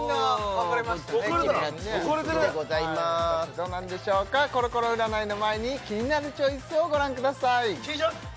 果たしてどうなんでしょうかコロコロ占いの前に「キニナルチョイス」をご覧ください